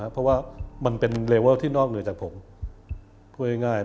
เพราะว่ามันเป็นเลเวิลที่นอกในอย่างจากผม